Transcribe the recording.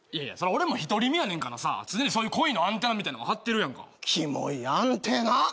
俺も独り身やねんからさ常にそういう恋のアンテナみたいなのも張ってるやんかキモいアンテナ！